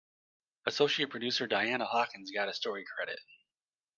Associate producer Diana Hawkins got a story credit.